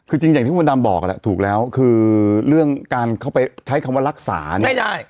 คือจริงอย่างที่คุณประโยชน์บอกถูกแล้วคือเรื่องการเข้าไปใช้คำว่ารักษาเนี่ย